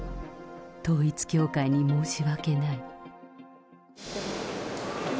統一教会に申し訳ない。